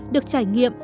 được trải nghiệm